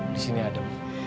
di sini ada